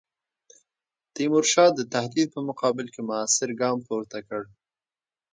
تیمورشاه د تهدید په مقابل کې موثر ګام پورته کړ.